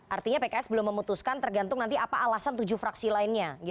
artinya pks belum memutuskan tergantung nanti apa alasan tujuh fraksi lainnya